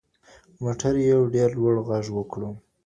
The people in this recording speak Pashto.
موټر یو ډېر لوړ غږ وکړ.